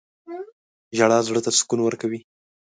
• ژړا زړه ته سکون ورکوي.